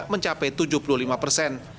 mencapai tujuh puluh lima persen